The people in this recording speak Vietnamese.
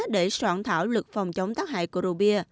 để soạn thảo luật phòng chống tác hại của rượu bia